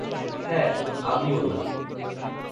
হ্যাঁ, আমিও না।